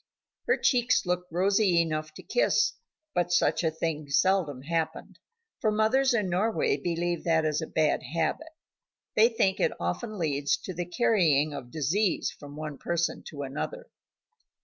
Her cheeks looked rosy enough to kiss, but such a thing seldom happened, for mothers in Norway believe that is a bad habit. They think that it often leads to the carrying of disease from one person to another.